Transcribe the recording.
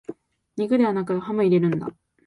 肉ではなくハム入れるんだ